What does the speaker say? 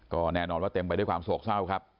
ก็แน่นอนว่าเต็มไปด้วยความโศกเศร้าครับ